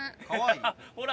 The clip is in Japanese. ほら！